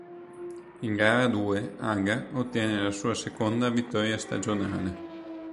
In gara due Haga ottiene la sua seconda vittoria stagionale.